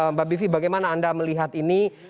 mbak bivi bagaimana anda melihat ini